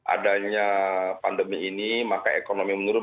adanya pandemi ini maka ekonomi menurun